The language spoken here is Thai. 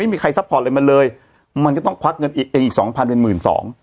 ไม่มีใครซัพพอร์ตอะไรมันเลยมันก็ต้องควักเงินเองอีกสองพันเป็นหมื่นสอง